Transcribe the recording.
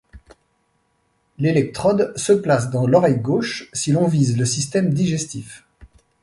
L'électrode se place dans l'oreille gauche si l'on vise le système digestif.